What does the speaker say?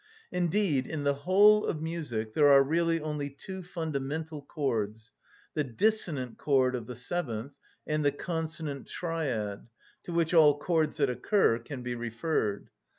Indeed, in the whole of music there are really only two fundamental chords, the dissonant chord of the seventh and the consonant triad, to which all chords that occur can be referred.